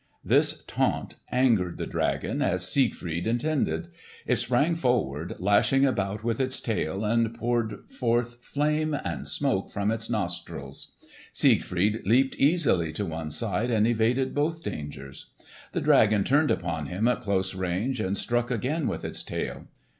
This taunt angered the dragon, as Siegfried intended. It sprang forward, lashed about with its tail and poured forth flame and smoke from its nostrils. Siegfried leaped easily to one side and evaded both dangers. The dragon turned upon him at close range and struck again with its tail.